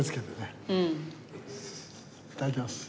いただきます。